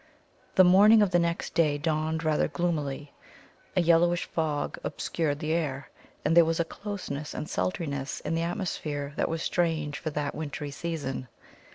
The morning of the next day dawned rather gloomily. A yellowish fog obscured the air, and there was a closeness and sultriness in the atmosphere that was strange for that wintry season.